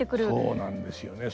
そうなんですよね。